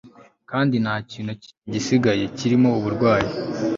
Kandi nta kintu na kimwe gisigaye kirimo uburwayi